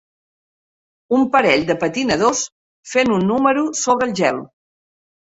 Un parell de patinadors fent un número sobre el gel.